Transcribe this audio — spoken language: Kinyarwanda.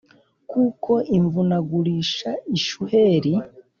kuko imvunagurisha ishuheri,